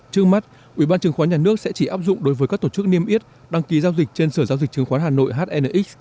trước mắt ubnd sẽ chỉ áp dụng đối với các tổ chức niêm yết đăng ký giao dịch trên sở giao dịch chứng khoán hà nội hnx